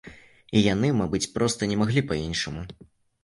І яны, мабыць, проста не маглі па-іншаму.